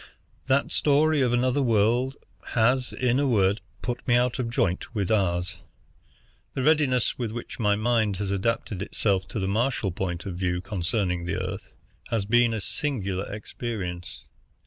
That story of another world has, in a word, put me out of joint with ours. The readiness with which my mind has adapted itself to the Martial point of view concerning the Earth has been a singular experience.